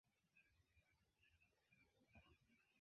Ĝi entenas ankaŭ kelkajn industriajn branĉojn.